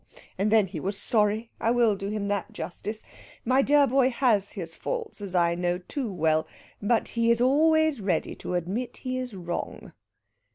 And then he was sorry. I will do him that justice. My dear boy has his faults, as I know too well, but he is always ready to admit he is wrong."